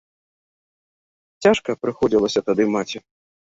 Цяжка прыходзілася тады маці.